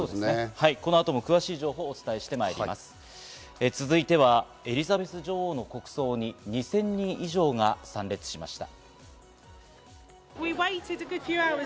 この後も詳しい情報をお伝え続いては、エリザベス女王の国葬に２０００人以上が参列しました。